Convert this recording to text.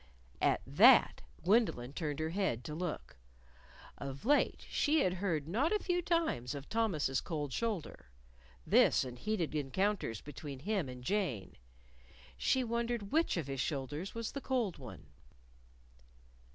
At that, Gwendolyn turned her head to look. Of late, she had heard not a few times of Thomas's cold shoulder this in heated encounters between him and Jane. She wondered which of his shoulders was the cold one.